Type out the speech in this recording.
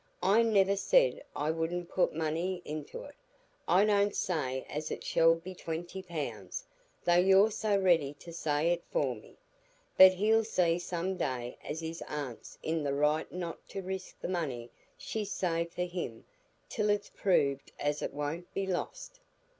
I never said I wouldn't put money into it,—I don't say as it shall be twenty pounds, though you're so ready to say it for me,—but he'll see some day as his aunt's in the right not to risk the money she's saved for him till it's proved as it won't be lost."